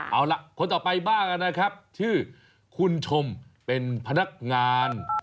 เอาล่ะคนต่อไปบ้างนะครับชื่อคุณชมเป็นพนักงาน